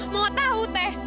mau tau tete